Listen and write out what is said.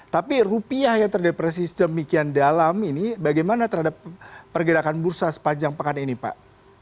tapi rupiah yang terdepresi sedemikian dalam ini bagaimana terhadap pergerakan bursa sepanjang pekan ini pak